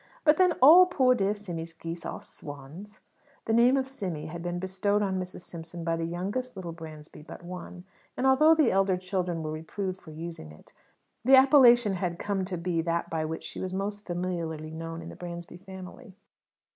But then all poor dear Simmy's geese are swans." (The name of "Simmy" had been bestowed on Mrs. Simpson by the youngest little Bransby but one; and although the elder children were reproved for using it, the appellation had come to be that by which she was most familiarly known in the Bransby family.)